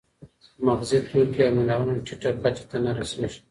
مغذي توکي او منرالونه ټیټه کچه ته نه رسېږي.